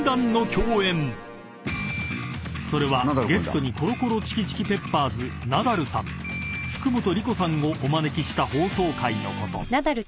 ［それはゲストにコロコロチキチキペッパーズナダルさん福本莉子さんをお招きした放送回のこと］